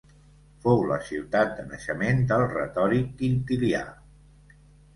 Fou la ciutat de naixement del retòric Quintilià.